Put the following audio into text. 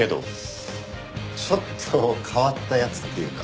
ちょっと変わった奴っていうか。